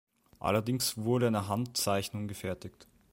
Allerdings wurde eine Handzeichnung gefertigt.